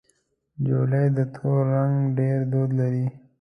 خولۍ د تور رنګ ډېر دود لري.